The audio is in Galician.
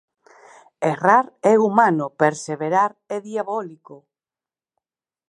Errar é humano, perseverar é diabólico!